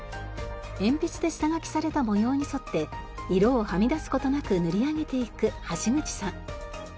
鉛筆で下書きされた模様に沿って色をはみ出す事なく塗り上げていく橋口さん。